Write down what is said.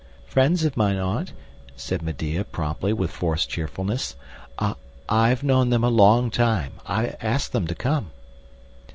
"Friends of mine, aunt," said Medea, promptly, with forced cheerfulness. "I I've known them a long time. I asked them to come."